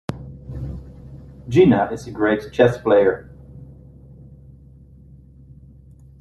Gina is a great chess player.